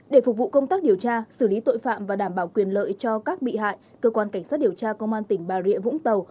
để phục vụ công tác điều tra xử lý tội phạm và đảm bảo quyền lợi cho các bị hại cơ quan cảnh sát điều tra công an tỉnh bà rịa vũng tàu